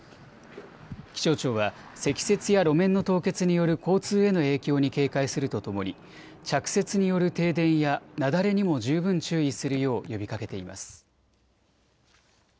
気象庁は積雪や路面の凍結による交通への影響に警戒するとともに着雪による停電や雪崩にも十分注意するよう呼びかけています。